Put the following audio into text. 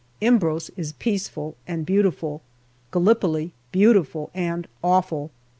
Imbros is peaceful and beautiful, Gallipoli beautiful and awful.